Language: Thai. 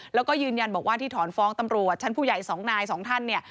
แล้วก็ยืนยันบอกว่าที่ถอนฟ้องตำรวจชั้นผู้ใหญ่๒นายสองท่านเนี่ย